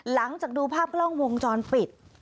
หลังจากดูภาพกล้องวงจรปิด